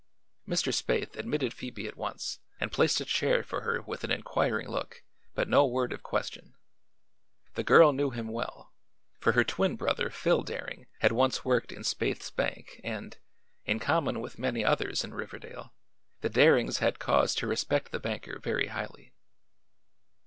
Mr. Spaythe admitted Phoebe at once and placed a chair for her with an inquiring look but no word of question. The girl knew him well, for her twin brother, Phil Daring, had once worked in Spaythe's Bank and, in common with many others in Riverdale, the Darings had cause to respect the banker very highly.